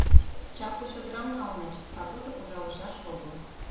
Чапле чодырам налнешт, а тудо ужалышаш огыл.